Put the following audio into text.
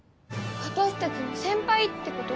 私たちの先輩ってこと？